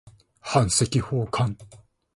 版籍奉還